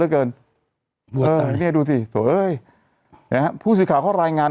แล้วเกินเออเนี้ยดูสิโอ้ยเนี้ยฮะผู้สิทธิ์ข่าวข้อรายงาน